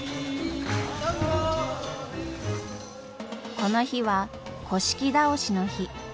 この日は倒しの日。